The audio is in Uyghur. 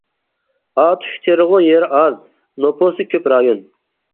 ئاتۇش تېرىلغۇ يېرى ئاز، نوپۇسى كۆپ رايون.